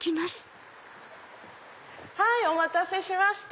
お待たせしました。